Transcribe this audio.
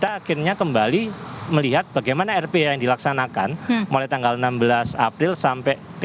kita akhirnya kembali melihat bagaimana rph yang dilaksanakan mulai tanggal enam belas april sampai